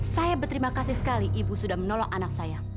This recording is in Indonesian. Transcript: saya berterima kasih sekali ibu sudah menolong anak saya